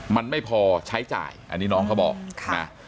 มันไม่พอใช้จ่ายอันนี้น้องเขาบอกนะ